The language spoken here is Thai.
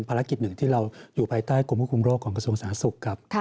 ภารกิจหนึ่งที่เราอยู่ภายใต้กรมควบคุมโรคของกระทรวงสาธารณสุขครับ